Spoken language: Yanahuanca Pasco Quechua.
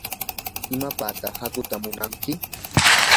¿imapataq hakuuta munanki?